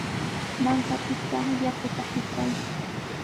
Mankapita yakuta hitray.